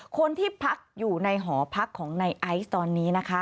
คนที่พักอยู่ในหอพักของในไอซ์ตอนนี้นะคะ